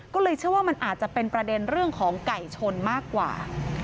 ก็เลยเชื่อว่ามันอาจจะเป็นประเด็นเรื่องของไก่ชนมากกว่า